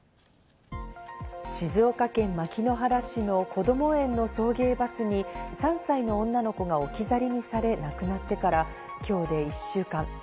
静岡県牧之原市のこども園の送迎バスに３歳の女の子が置き去りにされ亡くなってから今日で１週間。